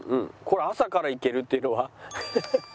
これ朝からいけるっていうのはハハハッ。